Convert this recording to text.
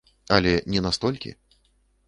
Але не на столькі.